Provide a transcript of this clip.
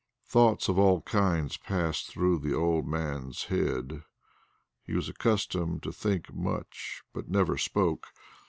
Thoughts of all kinds passed through the old man's head. He was accustomed to think much but never spoke.